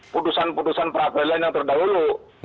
putusan putusan peradilan yang terdahulu